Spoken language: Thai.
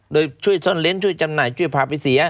โดยช่วยซ่อนเล้นช่วยจำหน่ายช่วยพาไปเสีย